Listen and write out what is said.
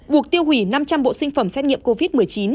buộc tiêu hủy năm trăm linh bộ sinh phẩm xét nghiệm covid một mươi chín